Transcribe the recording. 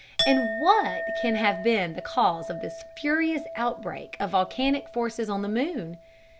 And what can have been the cause of this furious outbreak of volcanic forces on the moon?